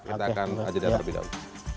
kita akan lanjutkan lebih lanjut